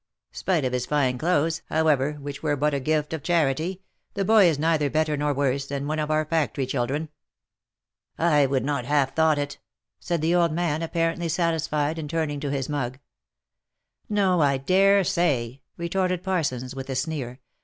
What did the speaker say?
Spite of his fine clothes, however, which were but a gift of charity, the boy is neither better nor worse, than one of our factory children." " I would not have thought it !" said the old man, apparently satis fied, and turning to his mug. " No, I dare say," retorted Parsons, with a sneer.